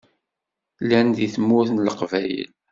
Llan deg Tmurt n Leqbayel.